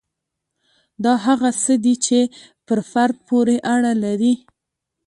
دا هغه څه دي چې پر فرد پورې اړه لري.